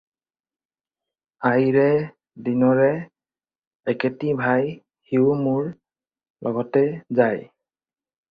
আইৰে দিনৰে একেটি ভাই, সিও মোৰ লগতে যায়।